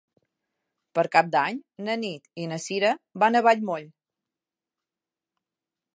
Per Cap d'Any na Nit i na Cira van a Vallmoll.